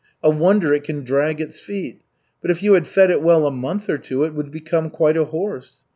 A wonder it can drag its feet. But if you had fed it well a month or two, it would become quite a horse.